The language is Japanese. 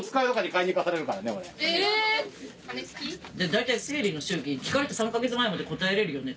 大体生理の周期聞かれて３か月前まで答えれるよね？